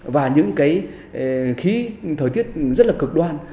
và những khí thời tiết rất là cực đoan